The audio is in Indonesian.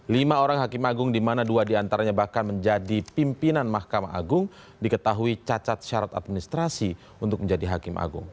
lima orang hakim agung di mana dua diantaranya bahkan menjadi pimpinan mahkamah agung diketahui cacat syarat administrasi untuk menjadi hakim agung